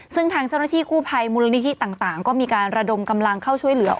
ซึ่งทางเจ้าหน้าที่กู้ภัยมูลนิธิต่างก็มีการระดมกำลังเข้าช่วยเหลือ